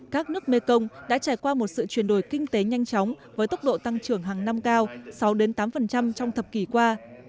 các nước mekong đã trải qua một sự chuyển đổi kinh tế nhanh chóng với tốc độ tăng trưởng hàng năm cao sáu tám trong thập kỷ qua